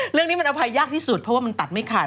เรื่องนี้มันอภัยยากที่สุดเพราะว่ามันตัดไม่ขาด